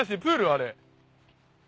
あれ。